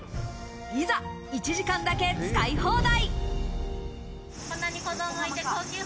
いざ１時間だけ使い放題。